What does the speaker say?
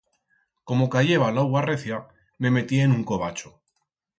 Como cayeba l'augua recia, me metié en un covacho.